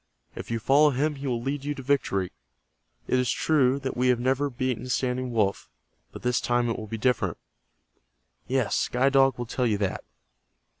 If you follow him he will lead you to victory. It is true that we have never beaten Standing Wolf, but this time it will be different. Yes, Sky Dog will tell you that.